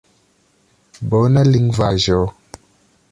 Bona lingvaĵo.